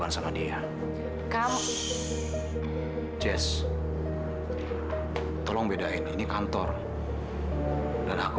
kau tidak mengharapkan apa apa terhadap saya